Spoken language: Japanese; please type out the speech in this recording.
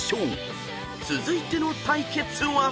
［続いての対決は］